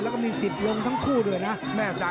แล้วก็มีสิทธิ์ลงทั้งคู่ด้วยนะ